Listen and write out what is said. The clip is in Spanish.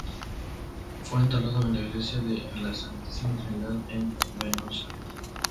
Fue enterrado en la iglesia de la Santísima Trinidad en Venosa.